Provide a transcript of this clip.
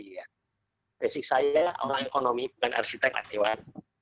risikonya saya orang ekonomi bukan arsitek pak iwan